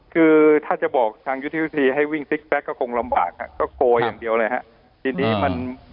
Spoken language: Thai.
คือถ้าจะบอกทางยุทิศวิทธิให้วิ่งซิกแปลกก็คงลำบากฮะก็โกยอย่างเดียวเลยฮะ